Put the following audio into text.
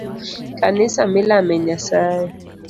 Kanisa milame nyasaye.